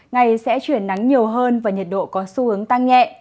ngày sẽ chuyển nắng nhiều hơn và nhiệt độ có xu hướng tăng nhẹ